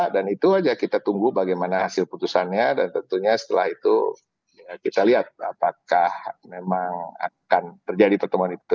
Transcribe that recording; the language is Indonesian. dan itu aja kita tunggu bagaimana hasil putusannya dan tentunya setelah itu kita lihat apakah memang akan terjadi pertemuan itu